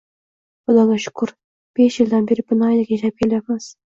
Xudoga shukur, besh yildan beri binoyidek yashab kelyapmiz